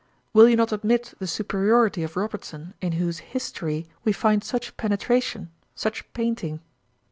'Will you not admit the superiority of Robertson, in whose History we find such penetration such painting?'